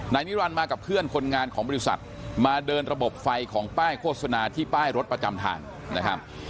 นิรันดิมากับเพื่อนคนงานของบริษัทมาเดินระบบไฟของป้ายโฆษณาที่ป้ายรถประจำทางนะครับ